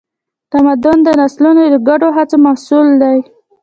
تمدن د نسلونو د ګډو هڅو محصول دی.